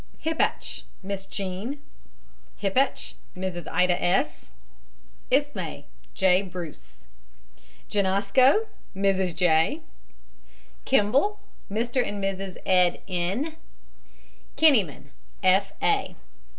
HIPPACH, MISS JEAN. HIPPACH, MRS. IDA S. ISMAY, J. BRUCE. JENASCO, MRS. J. KIMBALL, MR. AND MRS. ED. N. KENNYMAN, F. A.